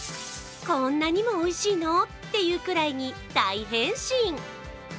こんなにもおいしいの？っていうくらいに大変身。